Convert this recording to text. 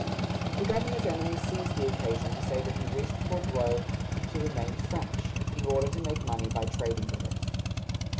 The governor's enemies seized the occasion to say that he wished Port Royal to remain French, in order to make money by trading with it.